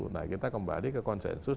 nah kita kembali ke konsensus